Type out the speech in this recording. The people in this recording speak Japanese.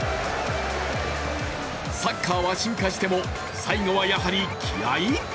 サッカーは進化しても最後はやはり気合い？